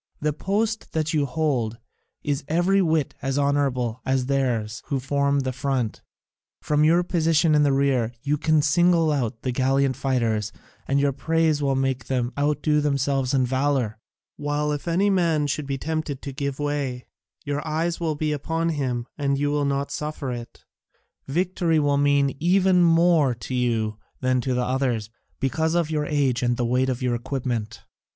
The post that you hold is every whit as honourable as theirs who form the front: from your position in the rear you can single out the gallant fighters, and your praise will make them outdo themselves in valour, while if any man should be tempted to give way, your eyes will be upon him and you will not suffer it. Victory will mean even more to you than to the others, because of your age and the weight of your equipment.